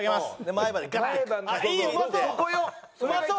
うまそう！